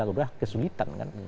karena kesulitan kan